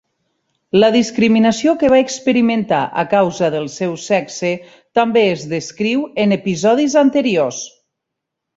La discriminació que va experimentar a causa del seu sexe també es descriu en episodis anteriors.